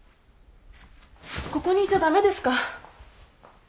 ここにいちゃ駄目ですか？